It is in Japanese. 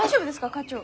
課長。